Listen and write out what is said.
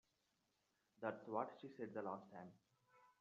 That's what she said the last time.